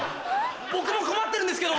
僕も困ってるんですけど！